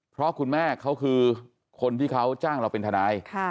เพราะคุณแม่เขาคือคนที่เขาจ้างเราเป็นทนาย